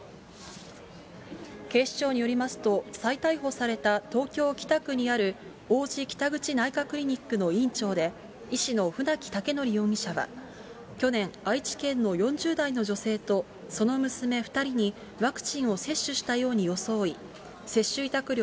警視庁によりますと、再逮捕された東京・北区にある王子北口内科クリニックの院長で、医師の船木威徳容疑者は、去年、愛知県の４０代の女性とその娘２人にワクチンを接種したように装い、接種委託料